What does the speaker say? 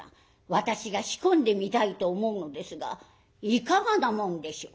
私が仕込んでみたいと思うのですがいかがなもんでしょう？」。